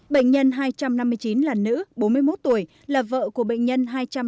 bệnh nhân hai trăm năm mươi chín là nữ bốn mươi một tuổi là vợ của bệnh nhân hai trăm hai mươi